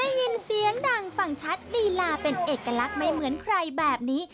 ได้ยินเสียงดังฟังชัดลีลาเป็นเอกลักษณ์ไม่เหมือนใครแบบนี้